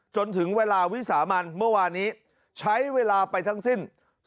จนถึงเวลาวิสามันเมื่อวานนี้ใช้เวลาไปทั้งสิ้น